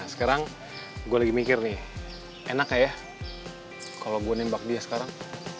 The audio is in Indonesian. sekarang gue lagi mikir nih enak kayak kalau gue nembak dia sekarang